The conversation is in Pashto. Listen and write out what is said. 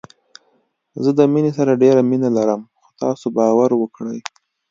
زه د مينې سره ډېره مينه لرم خو تاسو باور وکړئ